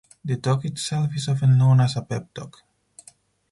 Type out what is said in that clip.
The talk itself is often known as a pep talk.